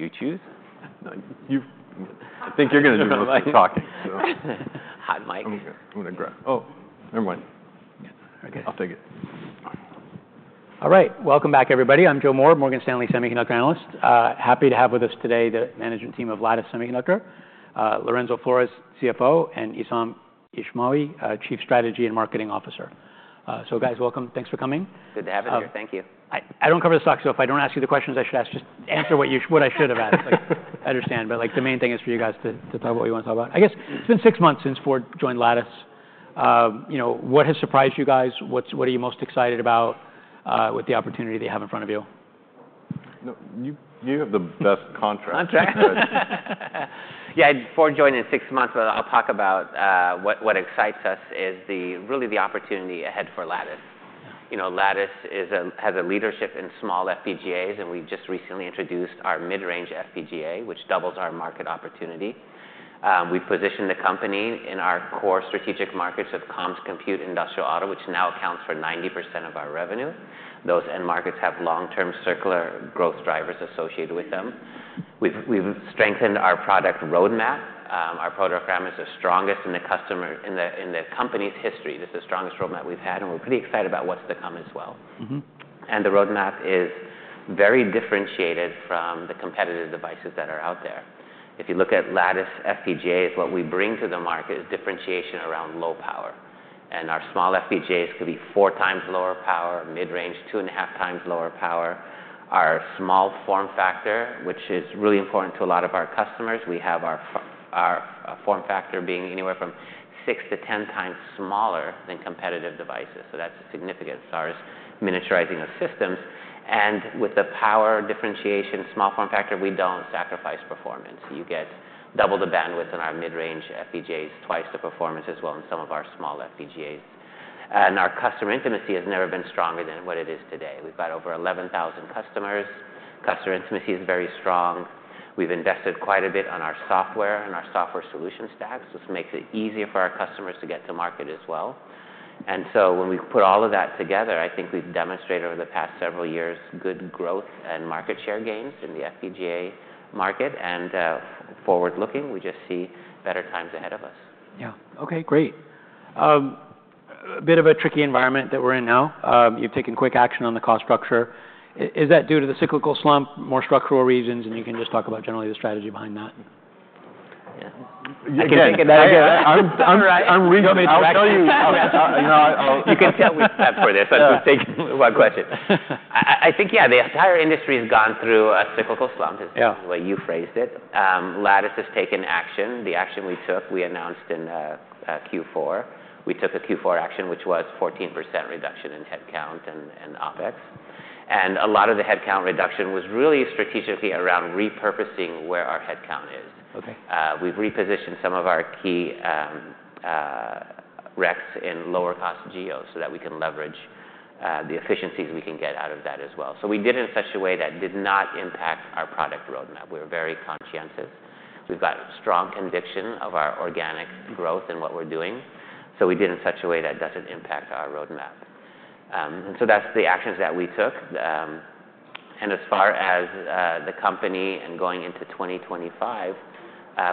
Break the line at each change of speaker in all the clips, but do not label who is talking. You choose. No, you've—I think you're going to do most of the talking, so.
Hi, Mike.
I'm going to grab—oh, never mind. Yeah, okay. I'll take it.
All right. Welcome back, everybody. I'm Joe Moore, Morgan Stanley Semiconductor Analyst. Happy to have with us today the management team of Lattice Semiconductor, Lorenzo Flores, CFO, and Esam Elashmawi, Chief Strategy and Marketing Officer. So, guys, welcome. Thanks for coming.
Good to have you here. Thank you.
I don't cover the stock, so if I don't ask you the questions I should ask, just answer what I should have asked. I understand, but the main thing is for you guys to talk about what you want to talk about. I guess it's been six months since Ford joined Lattice. What has surprised you guys? What are you most excited about with the opportunity they have in front of you?
You have the best contract.
Contract? Yeah, Ford joined in six months, but I'll talk about what excites us is really the opportunity ahead for Lattice. Lattice has a leadership in small FPGAs, and we just recently introduced our mid-range FPGA, which doubles our market opportunity. We've positioned the company in our core strategic markets of comms, compute, industrial auto, which now accounts for 90% of our revenue. Those end markets have long-term secular growth drivers associated with them. We've strengthened our product roadmap. Our product roadmap is the strongest in the company's history. This is the strongest roadmap we've had, and we're pretty excited about what's to come as well. The roadmap is very differentiated from the competitive devices that are out there. If you look at Lattice FPGAs, what we bring to the market is differentiation around low power. Our small FPGAs could be four times lower power; mid-range, two-and-a-half times lower power. Our small form factor, which is really important to a lot of our customers, we have our form factor being anywhere from six to ten times smaller than competitive devices. So that's significant as far as miniaturizing of systems. With the power differentiation, small form factor, we don't sacrifice performance. You get double the bandwidth in our mid-range FPGAs, twice the performance as well in some of our small FPGAs. Our customer intimacy has never been stronger than what it is today. We've got over 11,000 customers. Customer intimacy is very strong. We've invested quite a bit on our software and our software solution stack, so this makes it easier for our customers to get to market as well. And so when we put all of that together, I think we've demonstrated over the past several years good growth and market share gains in the FPGA market. And forward-looking, we just see better times ahead of us.
Yeah. Okay, great. A bit of a tricky environment that we're in now. You've taken quick action on the cost structure. Is that due to the cyclical slump, more structural reasons, and you can just talk about generally the strategy behind that?
Yeah.
I'm reading my directions.
You can tell we prepped for this. I'm just taking one question. I think, yeah, the entire industry has gone through a cyclical slump, is the way you phrased it. Lattice has taken action. The action we took, we announced in Q4. We took a Q4 action, which was a 14% reduction in headcount and OpEx, and a lot of the headcount reduction was really strategically around repurposing where our headcount is. We've repositioned some of our key execs in lower-cost geos so that we can leverage the efficiencies we can get out of that as well, so we did it in such a way that did not impact our product roadmap. We were very conscientious. We've got strong conviction of our organic growth and what we're doing, so we did it in such a way that doesn't impact our roadmap, and so that's the actions that we took. As far as the company and going into 2025,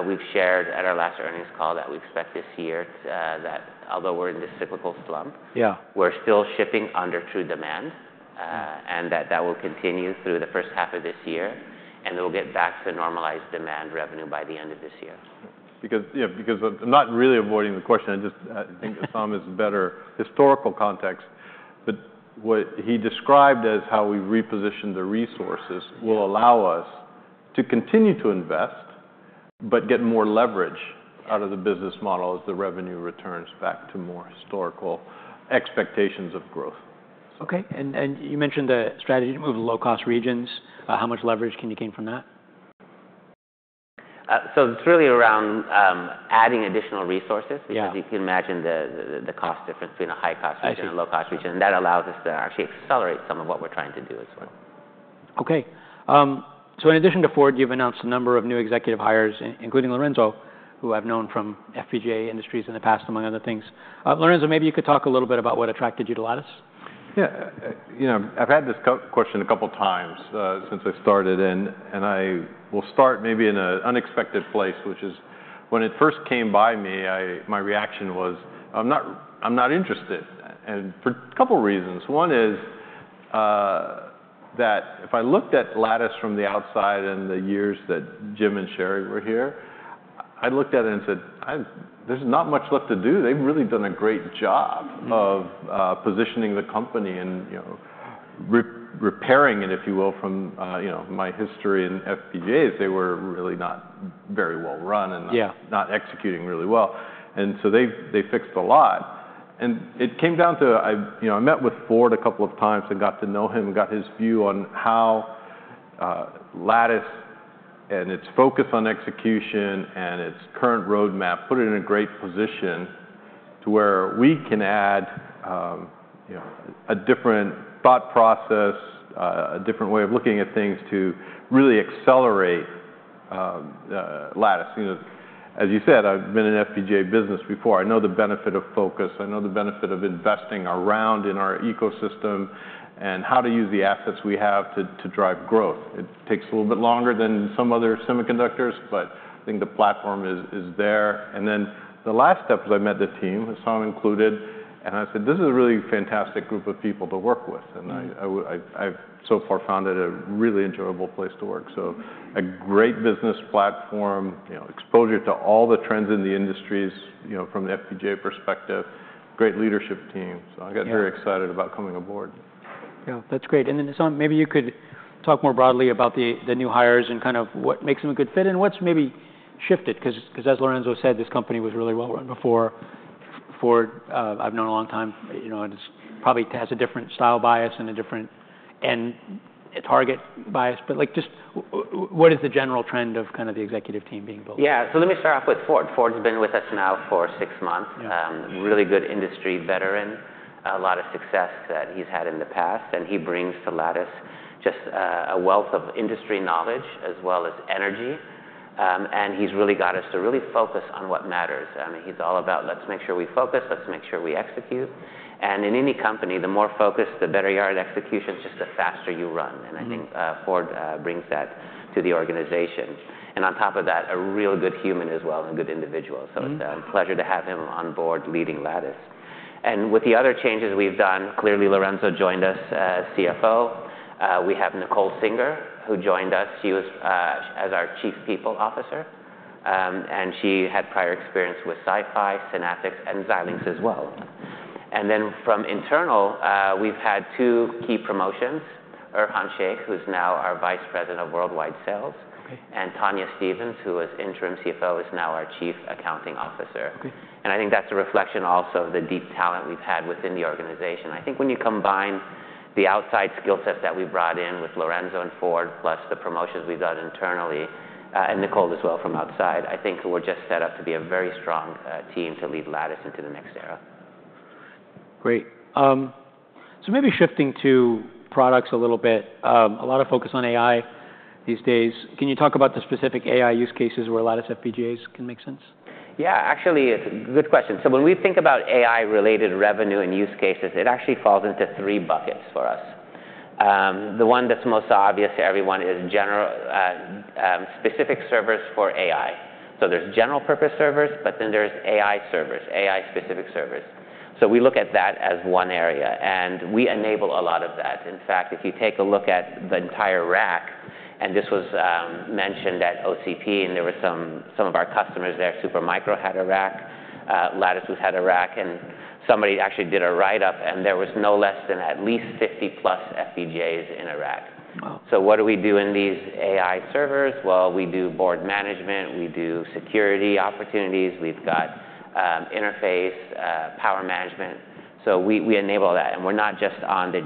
we've shared at our last earnings call that we expect this year that although we're in this cyclical slump, we're still shipping under true demand and that that will continue through the first half of this year. We'll get back to normalized demand revenue by the end of this year.
Because I'm not really avoiding the question. I just think Esam is better historical context. But what he described as how we repositioned the resources will allow us to continue to invest but get more leverage out of the business model as the revenue returns back to more historical expectations of growth.
Okay. And you mentioned the strategy to move to low-cost regions. How much leverage can you gain from that?
So it's really around adding additional resources because you can imagine the cost difference between a high-cost region and a low-cost region. And that allows us to actually accelerate some of what we're trying to do as well.
Okay. So in addition to Ford, you've announced a number of new executive hires, including Lorenzo, who I've known from FPGA industries in the past, among other things. Lorenzo, maybe you could talk a little bit about what attracted you to Lattice?
Yeah. I've had this question a couple of times since I started. And I will start maybe in an unexpected place, which is when it first came by me, my reaction was, "I'm not interested." And for a couple of reasons. One is that if I looked at Lattice from the outside in the years that Jim and Sherri were here, I looked at it and said, "There's not much left to do. They've really done a great job of positioning the company and repairing it, if you will, from my history in FPGAs. They were really not very well run and not executing really well." And so they fixed a lot. And it came down to I met with Ford a couple of times and got to know him, got his view on how Lattice and its focus on execution and its current roadmap put it in a great position to where we can add a different thought process, a different way of looking at things to really accelerate Lattice. As you said, I've been in FPGA business before. I know the benefit of focus. I know the benefit of investing around in our ecosystem and how to use the assets we have to drive growth. It takes a little bit longer than some other semiconductors, but I think the platform is there. And then the last step was I met the team, Esam included, and I said, "This is a really fantastic group of people to work with." And I've so far found it a really enjoyable place to work. So a great business platform, exposure to all the trends in the industries from the FPGA perspective, great leadership team. So I got very excited about coming aboard.
Yeah, that's great. And then, Esam, maybe you could talk more broadly about the new hires and kind of what makes them a good fit and what's maybe shifted? Because as Lorenzo said, this company was really well run before. Ford, I've known a long time, probably has a different style bias and a different end target bias. But just what is the general trend of kind of the executive team being built?
Yeah, so let me start off with Ford. Ford's been with us now for six months. Really good industry veteran, a lot of success that he's had in the past. And he brings to Lattice just a wealth of industry knowledge as well as energy. And he's really got us to really focus on what matters. I mean, he's all about, "Let's make sure we focus. Let's make sure we execute." And in any company, the more focused, the better you are at execution, just the faster you run. And I think Ford brings that to the organization. And on top of that, a real good human as well and a good individual. So it's a pleasure to have him on board leading Lattice. And with the other changes we've done, clearly Lorenzo joined us as CFO. We have Nicole Singer, who joined us. She was our Chief People Officer. And she had prior experience with SiFive, Synaptics, and Xilinx as well. And then from internal, we've had two key promotions. Erhaan Shaikh, who's now our Vice President of Worldwide Sales, and Tonya Stevens, who was interim CFO, is now our Chief Accounting Officer. And I think that's a reflection also of the deep talent we've had within the organization. I think when you combine the outside skill sets that we brought in with Lorenzo and Ford, plus the promotions we've done internally, and Nicole as well from outside, I think we're just set up to be a very strong team to lead Lattice into the next era.
Great. So maybe shifting to products a little bit. A lot of focus on AI these days. Can you talk about the specific AI use cases where Lattice FPGAs can make sense?
Yeah, actually, it's a good question. When we think about AI-related revenue and use cases, it actually falls into three buckets for us. The one that's most obvious to everyone is specific servers for AI. There's general-purpose servers, but then there's AI servers, AI-specific servers. We look at that as one area. We enable a lot of that. In fact, if you take a look at the entire rack, and this was mentioned at OCP, and there were some of our customers there, Supermicro had a rack, Lattice had a rack, and somebody actually did a write-up, and there was no less than at least 50-plus FPGAs in a rack. What do we do in these AI servers? We do board management. We do security opportunities. We've got interface power management. We enable that. And we're not just on the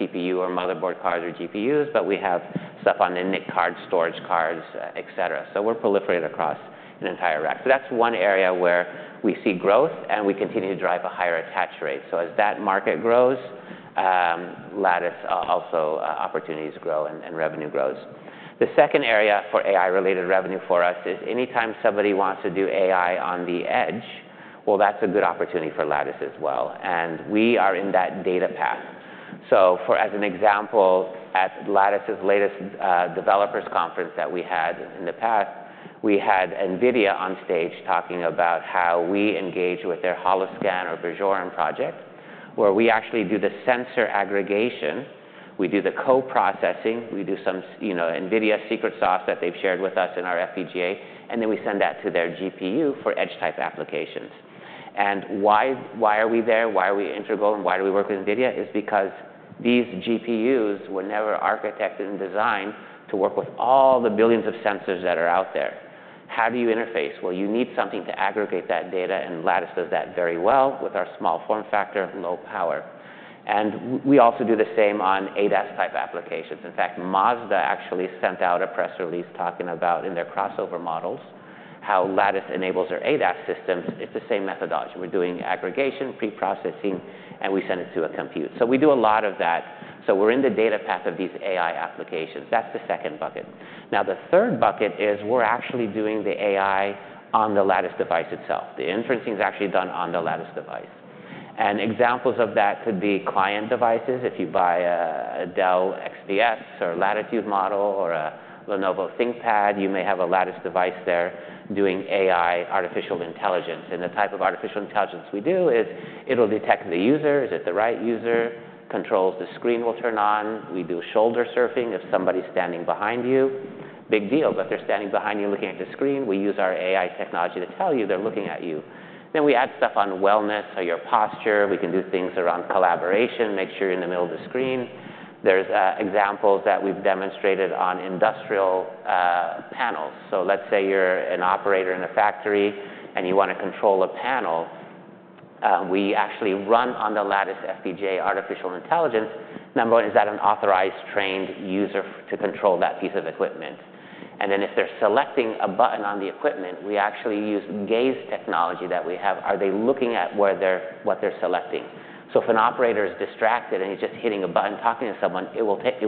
CPU or motherboard cards or GPUs, but we have stuff on the NIC cards, storage cards, et cetera. So we're proliferated across an entire rack. So that's one area where we see growth, and we continue to drive a higher attach rate. So as that market grows, Lattice also opportunities grow and revenue grows. The second area for AI-related revenue for us is anytime somebody wants to do AI on the edge, well, that's a good opportunity for Lattice as well. And we are in that data path. So as an example, at Lattice's latest developers conference that we had in the past, we had NVIDIA on stage talking about how we engage with their Holoscan or Bergeron project, where we actually do the sensor aggregation. We do the co-processing. We do some NVIDIA secret sauce that they've shared with us in our FPGA, and then we send that to their GPU for edge-type applications. And why are we there? Why are we integral? And why do we work with NVIDIA? It's because these GPUs were never architected and designed to work with all the billions of sensors that are out there. How do you interface? Well, you need something to aggregate that data, and Lattice does that very well with our small form factor, low power. And we also do the same on ADAS-type applications. In fact, Mazda actually sent out a press release talking about in their crossover models how Lattice enables their ADAS systems. It's the same methodology. We're doing aggregation, pre-processing, and we send it to a compute. So we do a lot of that. So we're in the data path of these AI applications. That's the second bucket. Now, the third bucket is we're actually doing the AI on the Lattice device itself. The inferencing is actually done on the Lattice device. And examples of that could be client devices. If you buy a Dell XPS or Latitude model or a Lenovo ThinkPad, you may have a Lattice device there doing AI, artificial intelligence. And the type of artificial intelligence we do is it'll detect the user. Is it the right user? Controls the screen will turn on. We do shoulder surfing if somebody's standing behind you. Big deal, but they're standing behind you looking at the screen. We use our AI technology to tell you they're looking at you. Then we add stuff on wellness or your posture. We can do things around collaboration, make sure you're in the middle of the screen. There's examples that we've demonstrated on industrial panels. So let's say you're an operator in a factory and you want to control a panel. We actually run on the Lattice FPGA artificial intelligence. Number one, is that an authorized, trained user to control that piece of equipment? And then if they're selecting a button on the equipment, we actually use gaze technology that we have. Are they looking at what they're selecting? So if an operator is distracted and he's just hitting a button talking to someone, it won't take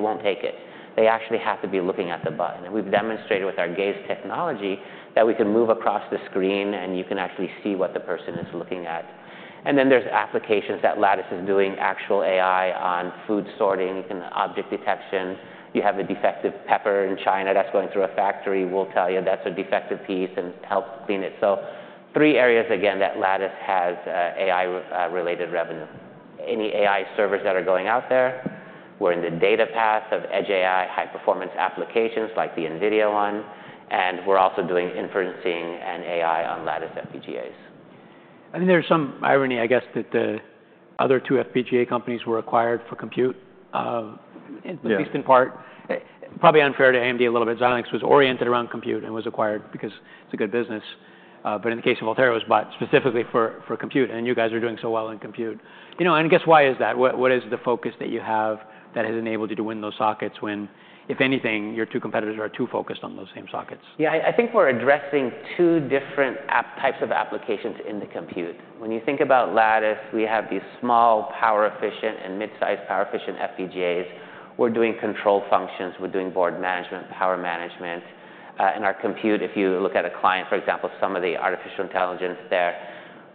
it. They actually have to be looking at the button. And we've demonstrated with our gaze technology that we can move across the screen and you can actually see what the person is looking at. And then there's applications that Lattice is doing actual AI on food sorting and object detection. You have a defective pepper in China that's going through a factory. We'll tell you that's a defective piece and help clean it. So three areas, again, that Lattice has AI-related revenue. Any AI servers that are going out there, we're in the data path of edge AI, high-performance applications like the NVIDIA one. And we're also doing inferencing and AI on Lattice FPGAs.
I think there's some irony, I guess, that the other two FPGA companies were acquired for compute, at least in part. Probably unfair to AMD a little bit. Xilinx was oriented around compute and was acquired because it's a good business. But in the case of Altera, it was bought specifically for compute. And you guys are doing so well in compute. And I guess, why is that? What is the focus that you have that has enabled you to win those sockets when, if anything, your two competitors are too focused on those same sockets?
Yeah, I think we're addressing two different types of applications in the compute. When you think about Lattice, we have these small, power-efficient, and mid-size power-efficient FPGAs. We're doing control functions. We're doing board management, power management. In our compute, if you look at a client, for example, some of the artificial intelligence there,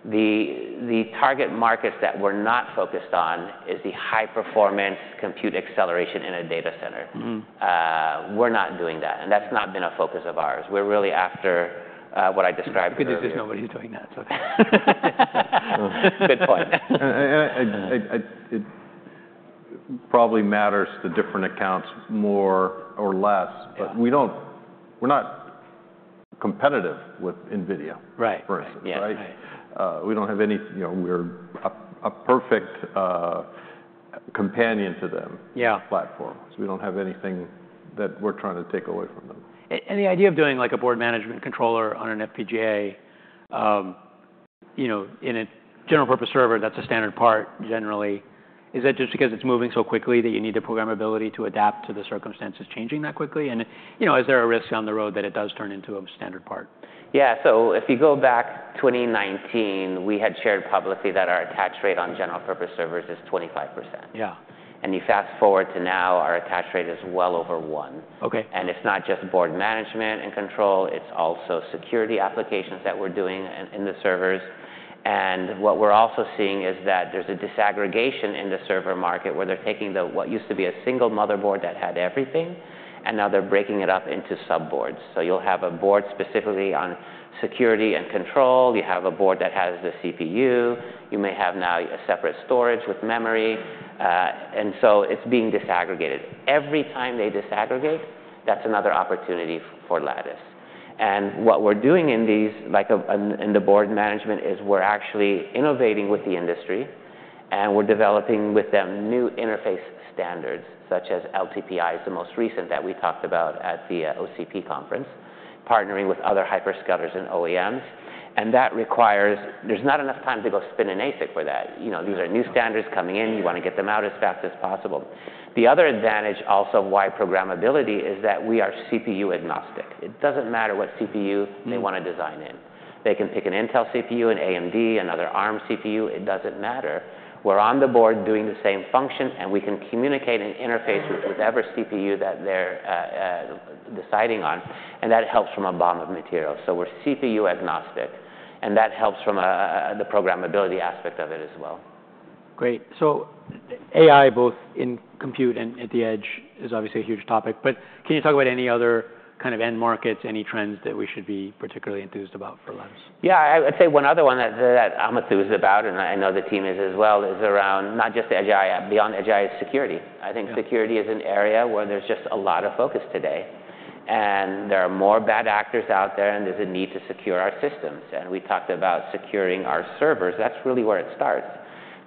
the target markets that we're not focused on is the high-performance compute acceleration in a data center. We're not doing that. And that's not been a focus of ours. We're really after what I described earlier.
Good to see nobody's doing that.
Good point.
And it probably matters to different accounts more or less. But we're not competitive with NVIDIA, for instance. We don't have anything. We're a perfect companion to their platform. So we don't have anything that we're trying to take away from them.
And the idea of doing a board management controller on an FPGA in a general-purpose server, that's a standard part generally. Is that just because it's moving so quickly that you need the programmability to adapt to the circumstances changing that quickly? And is there a risk on the road that it does turn into a standard part?
Yeah. So if you go back to 2019, we had shared publicly that our attach rate on general-purpose servers is 25%.
Yeah.
And you fast forward to now, our attach rate is well over 1. And it's not just board management and control. It's also security applications that we're doing in the servers. And what we're also seeing is that there's a disaggregation in the server market where they're taking what used to be a single motherboard that had everything, and now they're breaking it up into subboards. So you'll have a board specifically on security and control. You have a board that has the CPU. You may have now a separate storage with memory. And so it's being disaggregated. Every time they disaggregate, that's another opportunity for Lattice. And what we're doing in the board management is we're actually innovating with the industry. And we're developing with them new interface standards, such as LTPI is the most recent that we talked about at the OCP conference, partnering with other hyperscalers and OEMs. And that requires there's not enough time to go spin an ASIC for that. These are new standards coming in. You want to get them out as fast as possible. The other advantage also of why programmability is that we are CPU agnostic. It doesn't matter what CPU they want to design in. They can pick an Intel CPU, an AMD, another ARM CPU. It doesn't matter. We're on the board doing the same function, and we can communicate and interface with whatever CPU that they're deciding on. And that helps from a BOM of materials. So we're CPU agnostic. And that helps from the programmability aspect of it as well.
Great. So AI, both in compute and at the edge, is obviously a huge topic. But can you talk about any other kind of end markets, any trends that we should be particularly enthused about for Lattice?
Yeah, I'd say one other one that I'm enthused about, and I know the team is as well, is around not just edge AI. Beyond edge AI is security. I think security is an area where there's just a lot of focus today. And there are more bad actors out there, and there's a need to secure our systems. And we talked about securing our servers. That's really where it starts.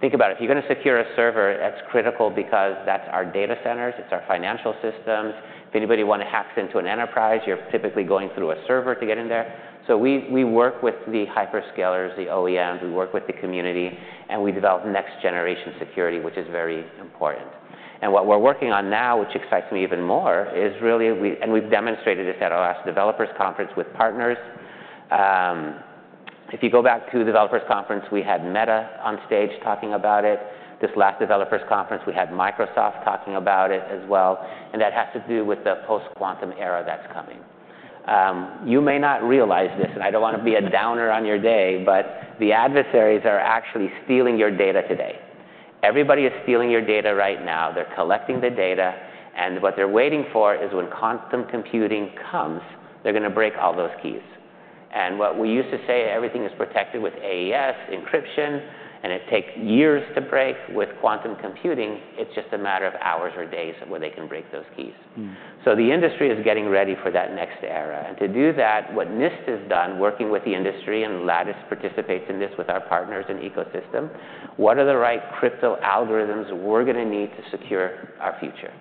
Think about it. If you're going to secure a server, that's critical because that's our data centers. It's our financial systems. If anybody wants to hack into an enterprise, you're typically going through a server to get in there. So we work with the hyperscalers, the OEMs. We work with the community. And we develop next-generation security, which is very important. And what we're working on now, which excites me even more, is really, and we've demonstrated this at our last developers conference with partners. If you go back to the developers conference, we had Meta on stage talking about it. This last developers conference, we had Microsoft talking about it as well. And that has to do with the post-quantum era that's coming. You may not realize this, and I don't want to be a downer on your day, but the adversaries are actually stealing your data today. Everybody is stealing your data right now. They're collecting the data. And what they're waiting for is when quantum computing comes, they're going to break all those keys. And what we used to say, everything is protected with AES encryption, and it takes years to break. With quantum computing, it's just a matter of hours or days where they can break those keys. So the industry is getting ready for that next era. And to do that, what NIST has done, working with the industry, and Lattice participates in this with our partners and ecosystem, what are the right crypto algorithms we're going to need to secure our future?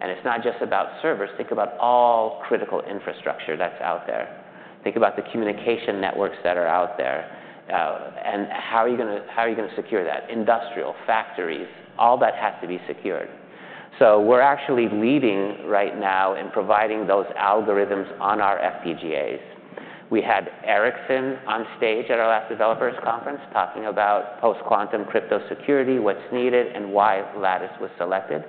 And it's not just about servers. Think about all critical infrastructure that's out there. Think about the communication networks that are out there. And how are you going to secure that? Industrial factories, all that has to be secured. So we're actually leading right now in providing those algorithms on our FPGAs. We had Ericsson on stage at our last developers conference talking about post-quantum crypto security, what's needed, and why Lattice was selected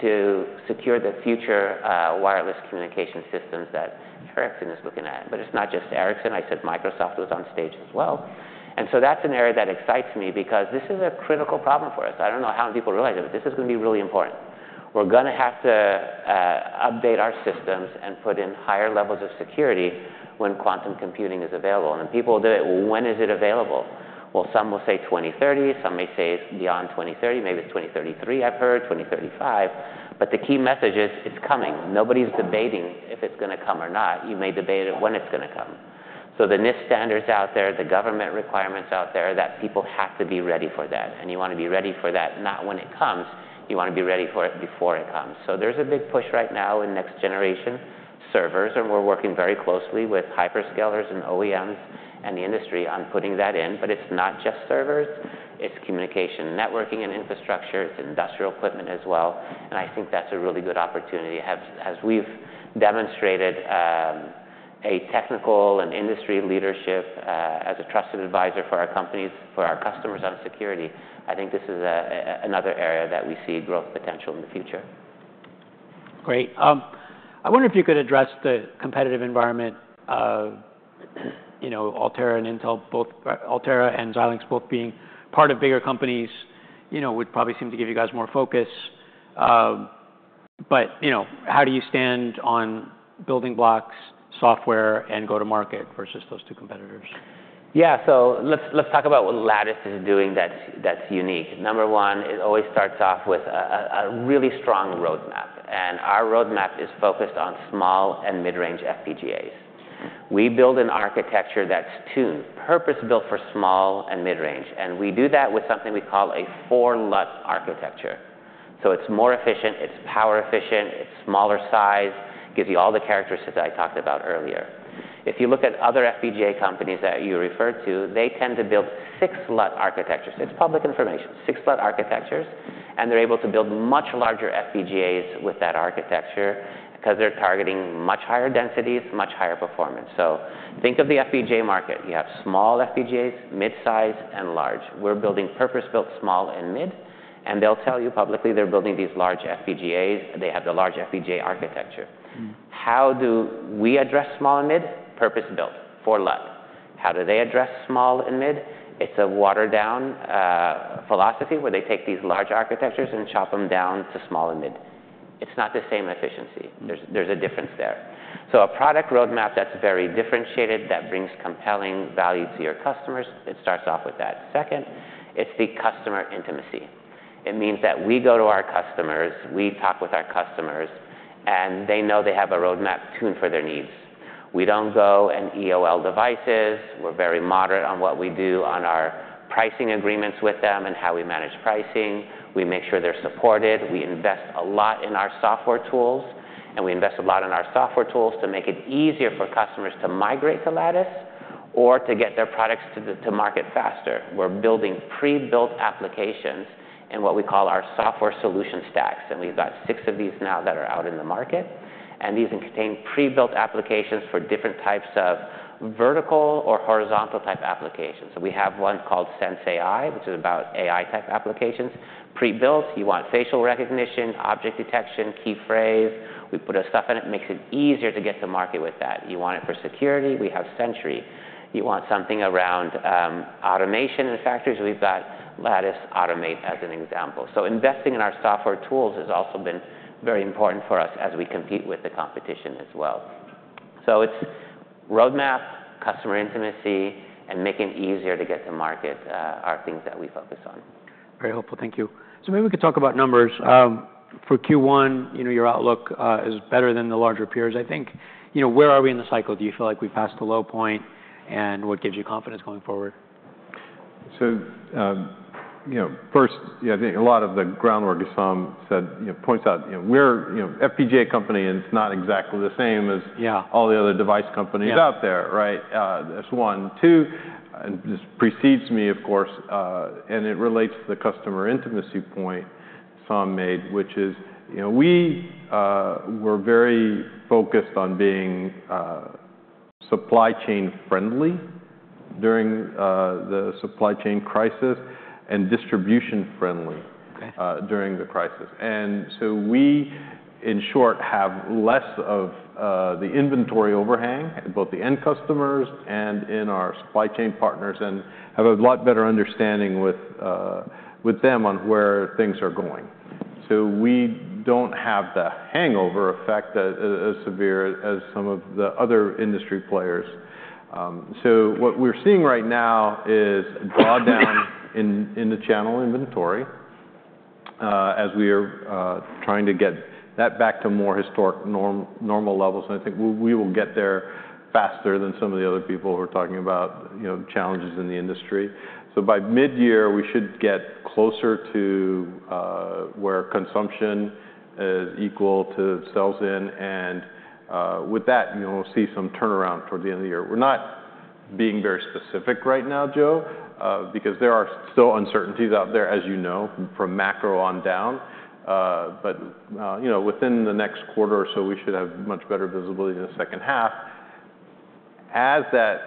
to secure the future wireless communication systems that Ericsson is looking at. But it's not just Ericsson. I said Microsoft was on stage as well. And so that's an area that excites me because this is a critical problem for us. I don't know how many people realize it, but this is going to be really important. We're going to have to update our systems and put in higher levels of security when quantum computing is available. And people will do it. When is it available? Well, some will say 2030. Some may say it's beyond 2030. Maybe it's 2033, I've heard, 2035. But the key message is it's coming. Nobody's debating if it's going to come or not. You may debate it when it's going to come. So the NIST standards out there, the government requirements out there, that people have to be ready for that. And you want to be ready for that, not when it comes. You want to be ready for it before it comes. So there's a big push right now in next-generation servers. And we're working very closely with hyperscalers and OEMs and the industry on putting that in. But it's not just servers. It's communication, networking, and infrastructure. It's industrial equipment as well. And I think that's a really good opportunity. As we've demonstrated a technical and industry leadership as a trusted advisor for our companies, for our customers on security, I think this is another area that we see growth potential in the future.
Great. I wonder if you could address the competitive environment. Altera and Intel, both Altera and Xilinx, both being part of bigger companies, would probably seem to give you guys more focus. But how do you stand on building blocks, software, and go-to-market versus those two competitors?
Yeah. So let's talk about what Lattice is doing that's unique. Number one, it always starts off with a really strong roadmap. And our roadmap is focused on small and mid-range FPGAs. We build an architecture that's tuned, purpose-built for small and mid-range. And we do that with something we call a 4-LUT architecture. So it's more efficient. It's power-efficient. It's smaller size. It gives you all the characteristics I talked about earlier. If you look at other FPGA companies that you referred to, they tend to build 6-LUT architectures. It's public information, 6-LUT architectures. And they're able to build much larger FPGAs with that architecture because they're targeting much higher densities, much higher performance. So think of the FPGA market. You have small FPGAs, mid-size, and large. We're building purpose-built small and mid. And they'll tell you publicly they're building these large FPGAs. They have the large FPGA architecture. How do we address small and mid? Purpose-built 4-LUT. How do they address small and mid? It's a watered-down philosophy where they take these large architectures and chop them down to small and mid. It's not the same efficiency. There's a difference there. So a product roadmap that's very differentiated that brings compelling value to your customers, it starts off with that. Second, it's the customer intimacy. It means that we go to our customers, we talk with our customers, and they know they have a roadmap tuned for their needs. We don't go and EOL devices. We're very moderate on what we do on our pricing agreements with them and how we manage pricing. We make sure they're supported. We invest a lot in our software tools. And we invest a lot in our software tools to make it easier for customers to migrate to Lattice or to get their products to market faster. We're building pre-built applications in what we call our software solution stacks. And we've got six of these now that are out in the market. And these contain pre-built applications for different types of vertical or horizontal type applications. So we have one called sensAI, which is about AI type applications. Pre-built, you want facial recognition, object detection, key phrase. We put our stuff in. It makes it easier to get to market with that. You want it for security. We have Sentry. You want something around automation and factories. We've got Lattice Automate as an example. So investing in our software tools has also been very important for us as we compete with the competition as well. So it's roadmap, customer intimacy, and making it easier to get to market are things that we focus on.
Very helpful. Thank you. So maybe we could talk about numbers. For Q1, your outlook is better than the larger peers. I think, where are we in the cycle? Do you feel like we've passed a low point, and what gives you confidence going forward?
So first, I think a lot of the groundwork Esam said points out. We're an FPGA company, and it's not exactly the same as all the other device companies out there. There's one. Two, and this precedes me, of course, and it relates to the customer intimacy point Esam made, which is we were very focused on being supply chain friendly during the supply chain crisis and distribution friendly during the crisis. And so we, in short, have less of the inventory overhang, both the end customers and in our supply chain partners, and have a lot better understanding with them on where things are going. So we don't have the hangover effect as severe as some of the other industry players. So what we're seeing right now is a drawdown in the channel inventory as we are trying to get that back to more historic normal levels. And I think we will get there faster than some of the other people who are talking about challenges in the industry. So by mid-year, we should get closer to where consumption is equal to sales in. And with that, we'll see some turnaround towards the end of the year. We're not being very specific right now, Joe, because there are still uncertainties out there, as you know, from macro on down. But within the next quarter or so, we should have much better visibility in the second half. As that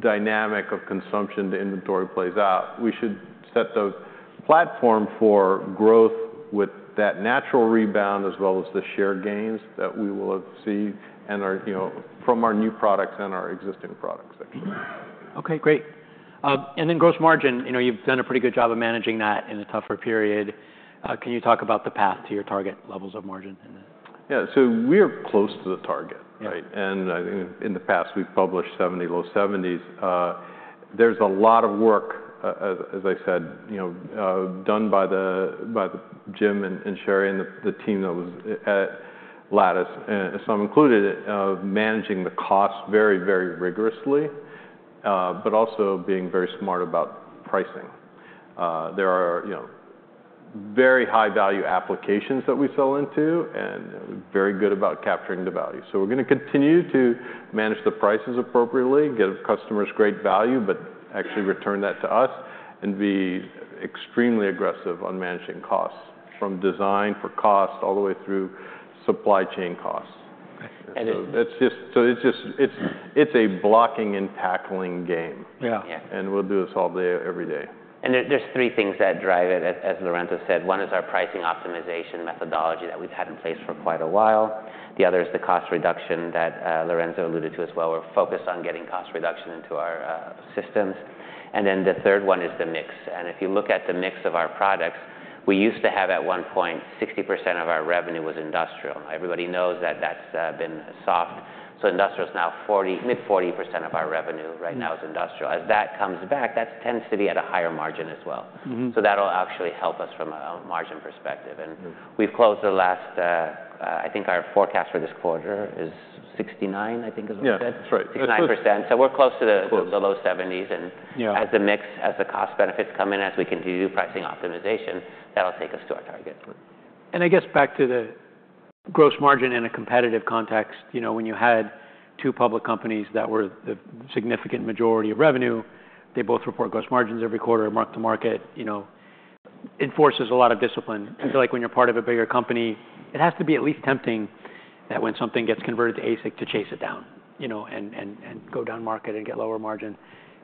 dynamic of consumption to inventory plays out, we should set the platform for growth with that natural rebound as well as the share gains that we will see from our new products and our existing products, actually.
Okay. Great. And then gross margin, you've done a pretty good job of managing that in a tougher period. Can you talk about the path to your target levels of margin?
Yeah. So we are close to the target. And I think in the past, we've published 70 low 70s. There's a lot of work, as I said, done by Jim and Sherri and the team that was at Lattice, including managing the cost very, very rigorously, but also being very smart about pricing. There are very high-value applications that we sell into and very good about capturing the value. So we're going to continue to manage the prices appropriately, give customers great value, but actually return that to us and be extremely aggressive on managing costs from design for cost all the way through supply chain costs. So it's a blocking and tackling game. And we'll do this all day, every day.
There's three things that drive it, as Lorenzo said. One is our pricing optimization methodology that we've had in place for quite a while. The other is the cost reduction that Lorenzo alluded to as well. We're focused on getting cost reduction into our systems. And then the third one is the mix. And if you look at the mix of our products, we used to have at one point 60% of our revenue was industrial. Everybody knows that that's been soft. So industrial is now 40, mid 40% of our revenue right now is industrial. As that comes back, that tends to be at a higher margin as well. So that'll actually help us from a margin perspective. And we've closed the last, I think our forecast for this quarter is 69%, I think is what we said.
Yeah. That's right.
69%. So we're close to the low 70s. And as the mix, as the cost benefits come in, as we continue pricing optimization, that'll take us to our target.
And I guess back to the gross margin in a competitive context. When you had two public companies that were the significant majority of revenue, they both report gross margins every quarter, mark to market. It forces a lot of discipline. I feel like when you're part of a bigger company, it has to be at least tempting that when something gets converted to ASIC to chase it down and go down market and get lower margin.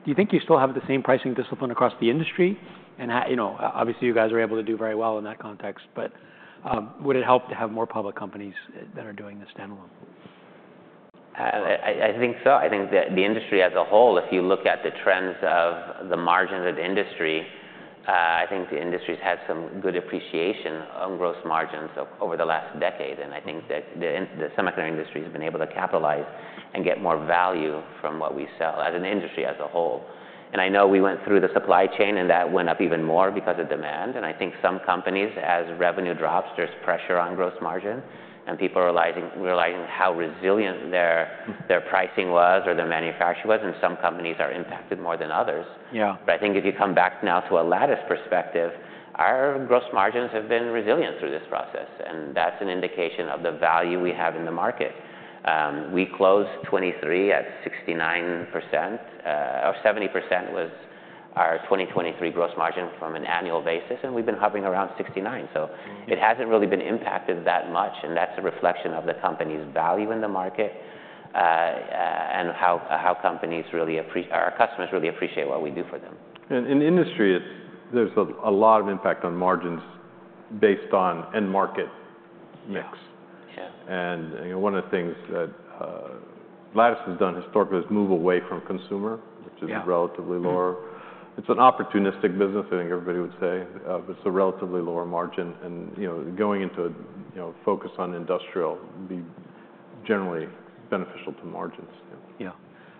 Do you think you still have the same pricing discipline across the industry? And obviously, you guys are able to do very well in that context. But would it help to have more public companies that are doing this standalone?
I think so. I think the industry as a whole, if you look at the trends of the margins of the industry, I think the industry has had some good appreciation on gross margins over the last decade, and I think that the semiconductor industry has been able to capitalize and get more value from what we sell as an industry as a whole. And I know we went through the supply chain and that went up even more because of demand, and I think some companies, as revenue drops, there's pressure on gross margin. And people are realizing how resilient their pricing was or their manufacturer was, and some companies are impacted more than others, but I think if you come back now to a Lattice perspective, our gross margins have been resilient through this process. And that's an indication of the value we have in the market. We closed 2023 at 69%, or 70% was our 2023 gross margin on an annual basis. And we've been hovering around 69%. So it hasn't really been impacted that much. And that's a reflection of the company's value in the market and how our customers really appreciate what we do for them.
In industry, there's a lot of impact on margins based on end market mix. And one of the things that Lattice has done historically is move away from consumer, which is a relatively lower. It's an opportunistic business, I think everybody would say. But it's a relatively lower margin. And going into a focus on industrial would be generally beneficial to margins.
Yeah.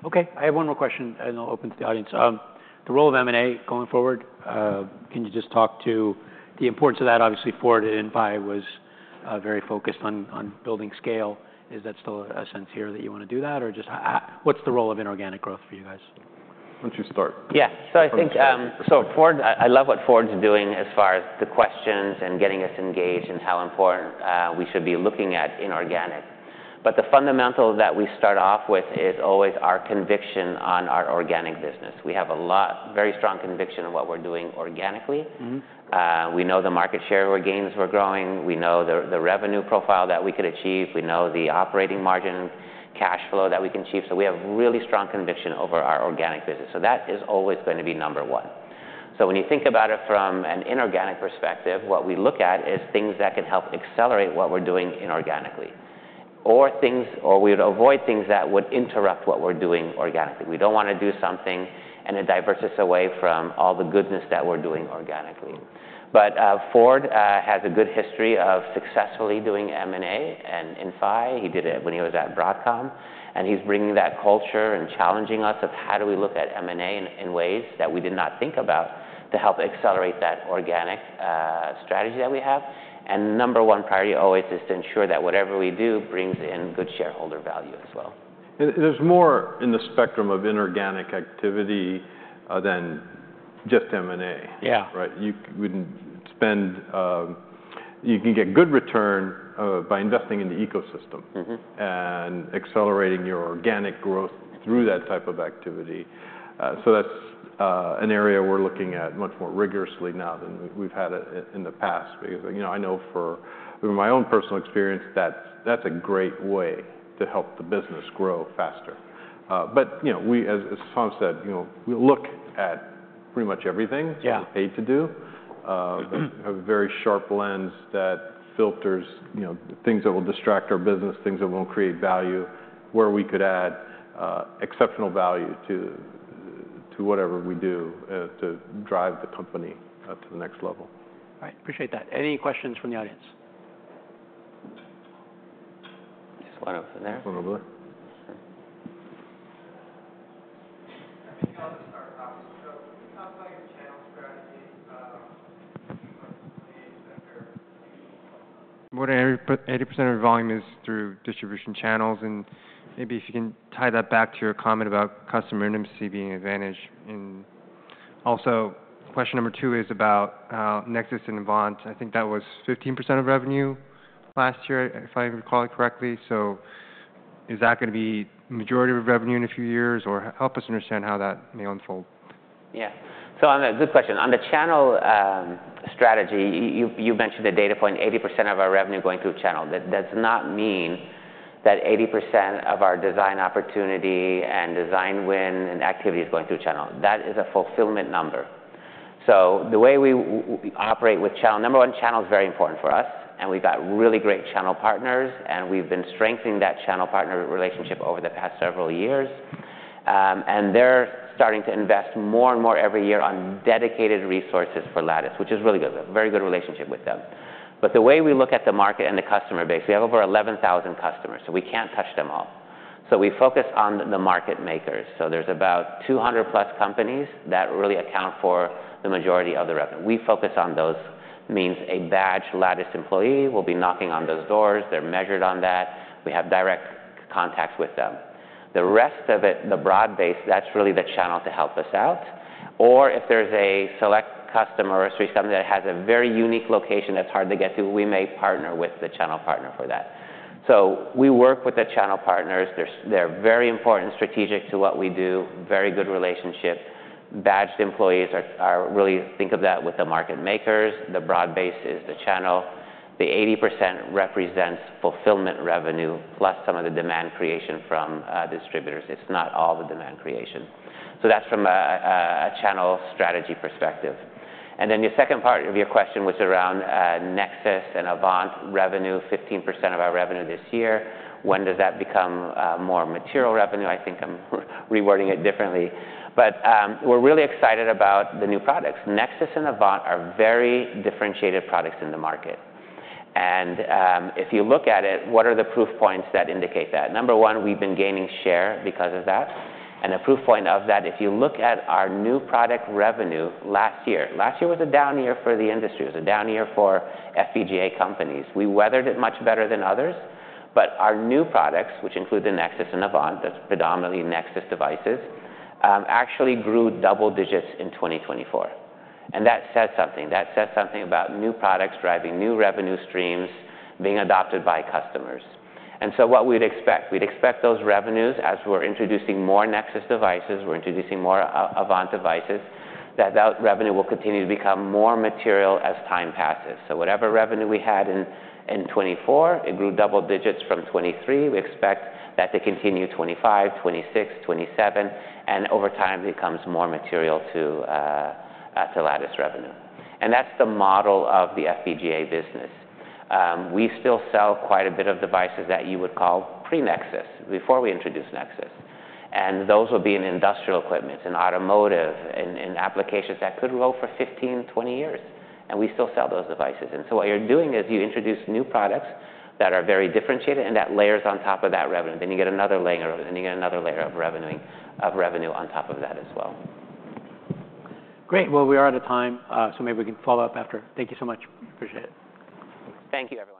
Okay. I have one more question, and it'll open to the audience. The role of M&A going forward, can you just talk to the importance of that? Obviously, Ford and Inphi was very focused on building scale. Is that still a sense here that you want to do that? Or just what's the role of inorganic growth for you guys?
Once you start.
Yeah. So I think Ford, I love what Ford's doing as far as the questions and getting us engaged and how important we should be looking at inorganic. But the fundamental that we start off with is always our conviction on our organic business. We have a very strong conviction of what we're doing organically. We know the market share we're gaining as we're growing. We know the revenue profile that we could achieve. We know the operating margin cash flow that we can achieve. So we have really strong conviction over our organic business. So that is always going to be number one. So when you think about it from an inorganic perspective, what we look at is things that can help accelerate what we're doing organically. Or we would avoid things that would interrupt what we're doing organically. We don't want to do something and it diverts us away from all the goodness that we're doing organically, but Ford has a good history of successfully doing M&A and Inphi. He did it when he was at Broadcom, and he's bringing that culture and challenging us of how do we look at M&A in ways that we did not think about to help accelerate that organic strategy that we have, and number one priority always is to ensure that whatever we do brings in good shareholder value as well.
There's more in the spectrum of inorganic activity than just M&A. You can get good return by investing in the ecosystem and accelerating your organic growth through that type of activity. That's an area we're looking at much more rigorously now than we've had it in the past. I know from my own personal experience that that's a great way to help the business grow faster. But as Esam said, we'll look at pretty much everything that's paid to do. We have a very sharp lens that filters things that will distract our business, things that won't create value, where we could add exceptional value to whatever we do to drive the company to the next level.
All right. Appreciate that. Any questions from the audience?
Just one over there.
One over there.
80% of your volume is through distribution channels. And maybe if you can tie that back to your comment about customer intimacy being an advantage. And also, question number two is about Nexus and Avant. I think that was 15% of revenue last year, if I recall it correctly. So is that going to be the majority of revenue in a few years? Or help us understand how that may unfold.
Yeah, so good question. On the channel strategy, you mentioned the data point, 80% of our revenue going through channel. That does not mean that 80% of our design opportunity and design win and activity is going through channel. That is a fulfillment number, so the way we operate with channel, number one, channel is very important for us. And we've got really great channel partners. And we've been strengthening that channel partner relationship over the past several years. And they're starting to invest more and more every year on dedicated resources for Lattice, which is really good, a very good relationship with them. But the way we look at the market and the customer base, we have over 11,000 customers, so we can't touch them all, so we focus on the market makers, so there's about 200 plus companies that really account for the majority of the revenue. We focus on those, means a badged Lattice employee will be knocking on those doors. They're measured on that. We have direct contact with them. The rest of it, the broad base, that's really the channel to help us out. Or if there's a select customer or something that has a very unique location that's hard to get to, we may partner with the channel partner for that. So we work with the channel partners. They're very important, strategic to what we do, very good relationship. Badged employees are really, think of that with the market makers. The broad base is the channel. The 80% represents fulfillment revenue plus some of the demand creation from distributors. It's not all the demand creation. So that's from a channel strategy perspective, and then your second part of your question, which is around Nexus and Avant, revenue, 15% of our revenue this year. When does that become more material revenue? I think I'm rewording it differently. But we're really excited about the new products. Nexus and Avant are very differentiated products in the market. And if you look at it, what are the proof points that indicate that? Number one, we've been gaining share because of that. And a proof point of that, if you look at our new product revenue last year, last year was a down year for the industry. It was a down year for FPGA companies. We weathered it much better than others. But our new products, which include the Nexus and Avant, that's predominantly Nexus devices, actually grew double digits in 2024. And that says something. That says something about new products driving new revenue streams being adopted by customers. And so what we'd expect, we'd expect those revenues as we're introducing more Nexus devices, we're introducing more Avant devices, that that revenue will continue to become more material as time passes. So whatever revenue we had in 2024, it grew double digits from 2023. We expect that to continue 2025, 2026, 2027. And over time, it becomes more material to Lattice revenue. And that's the model of the FPGA business. We still sell quite a bit of devices that you would call pre-Nexus, before we introduced Nexus. And those will be in industrial equipment, in automotive, in applications that could grow for 15, 20 years. And we still sell those devices. And so what you're doing is you introduce new products that are very differentiated and that layers on top of that revenue. Then you get another layer, then you get another layer of revenue on top of that as well.
Great. Well, we are out of time. So maybe we can follow up after. Thank you so much. Appreciate it.
Thank you, everyone.